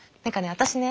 私ね